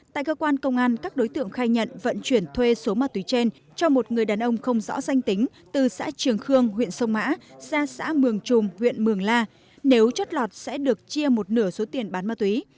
tại cơ quan công an các đối tượng khai nhận vận chuyển thuê số ma túy trên cho một người đàn ông không rõ danh tính từ xã trường khương huyện sông mã ra xã mường trùm huyện mường la nếu chót lọt sẽ được chia một nửa số tiền bán ma túy